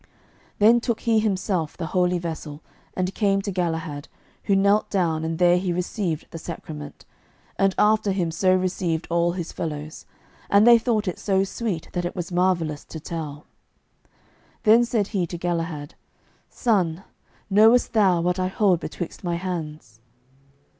Then took He Himself the holy vessel, and came to Galahad, who knelt down and there he received the sacrament, and after him so received all his fellows; and they thought it so sweet that it was marvellous to tell. Then said He to Galahad, "Son, knowest thou what I hold betwixt my hands?"